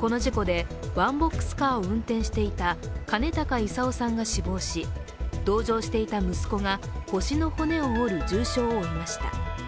この事故でワンボックスカーを運転していた金高勲さんが死亡し同乗していた息子が腰の骨を折る重傷を負いました。